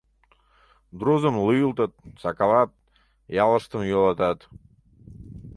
Друзым лӱйылтыт, сакалат, ялыштым йӱлатат...